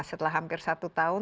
setelah hampir satu tahun